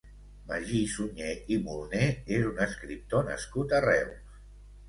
Magí Sunyer i Molné és un escriptor nascut a Reus.